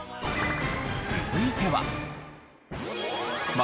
続いては。